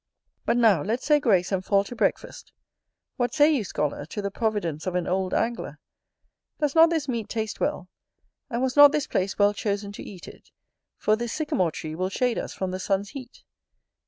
But now, let's say grace, and fall to breakfast. What say you, scholar, to the providence of an old angler? Does not this meat taste well? and was not this place well chosen to eat it? for this sycamore tree will shade us from the sun's heat.